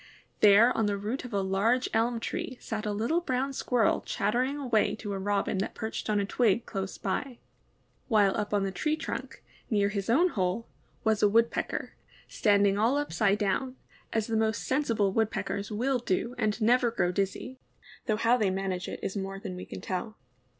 There on the root of a large elm tree sat a little brown Squirrel chattering away to a Robin that perched on a twig close by, while up on the tree trunk, near his own hole, was a Woodpecker, standing all upside down, as the most sensible Woodpeckers will do and never grow dizzy, though how they manage it is more than we can tell.